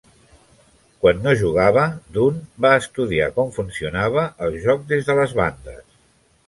Quan no jugava, Dunn va estudiar com funcionava el joc des de les bandes.